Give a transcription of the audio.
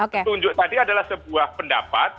petunjuk tadi adalah sebuah pendapat